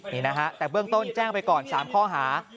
นี่นะฮะแต่เบื้องต้นแจ้งไปก่อน๓ข้อหา